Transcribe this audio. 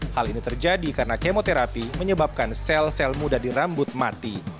hal ini terjadi karena kemoterapi menyebabkan sel sel muda di rambut mati